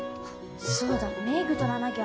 そうだメーク取らなぎゃ。